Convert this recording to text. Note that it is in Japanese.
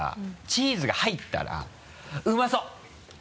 チーズが入ったら「うまそっ！」